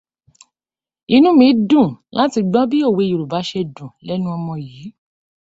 Inú mi dùn lati gbọ́ bí òwe Yoruba ṣe dùn lẹnu ọmọ yìí.